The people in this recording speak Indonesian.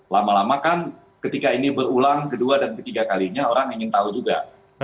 lama lama kan ketika ini berulang kedua dan ketiga kalinya orang ingin tahu juga